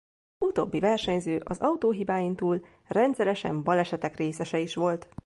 Utóbbi versenyző az autó hibáin túl rendszeresen balesetek részese is volt.